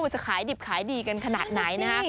จะขายดิบขายดีกันขนาดไหนนะฮะ